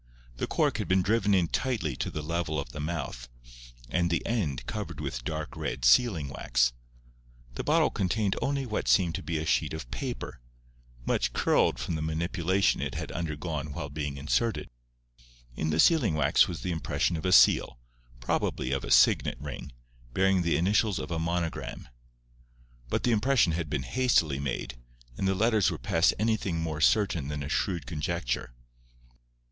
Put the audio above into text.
The cork had been driven in tightly to the level of the mouth, and the end covered with dark red sealing wax. The bottle contained only what seemed to be a sheet of paper, much curled from the manipulation it had undergone while being inserted. In the sealing wax was the impression of a seal—probably of a signet ring, bearing the initials of a monogram; but the impression had been hastily made, and the letters were past anything more certain than a shrewd conjecture.